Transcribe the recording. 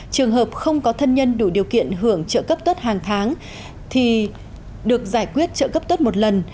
trường hợp không có thân nhân đủ điều kiện hưởng trợ cấp tuất hàng tháng thì được giải quyết trợ cấp tuất một lần